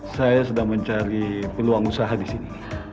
saya sedang mencari peluang usaha disini